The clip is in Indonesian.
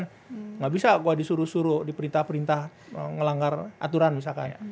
tidak bisa saya disuruh suruh di perintah perintah melanggar aturan misalkan